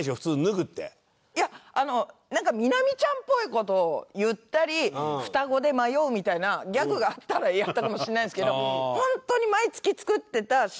いやなんか南ちゃんっぽい事を言ったり双子で迷うみたいなギャグがあったらやったかもしれないですけど本当に。